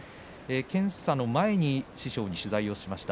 検査の前に師匠に取材をしました。